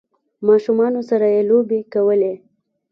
ماشومانو سره یی لوبې کولې